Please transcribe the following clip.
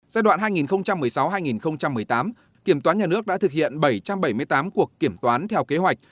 giai đoạn hai nghìn một mươi sáu hai nghìn một mươi tám kiểm toán nhà nước đã thực hiện bảy trăm bảy mươi tám cuộc kiểm toán theo kế hoạch